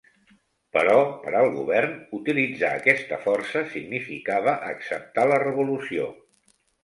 Però, per al govern, utilitzar aquesta força significava acceptar la revolució.